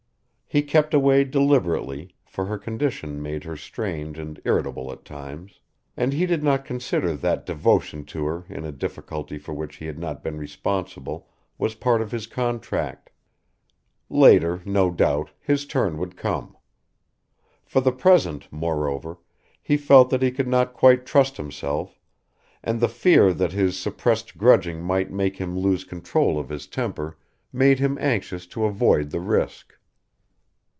He kept away deliberately, for her condition made her strange and irritable at times, and he did not consider that devotion to her in a difficulty for which he had not been responsible was part of his contract. Later, no doubt, his turn would come. For the present, moreover, he felt that he could not quite trust himself, and the fear that his suppressed grudging might make him lose control of his temper made him anxious to avoid the risk.